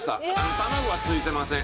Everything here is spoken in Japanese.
卵はついてません。